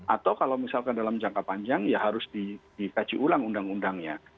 atau kalau misalkan dalam jangka panjang ya harus dikaji ulang undang undangnya